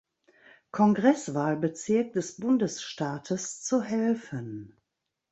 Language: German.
Kongresswahlbezirk des Bundesstaates zu helfen.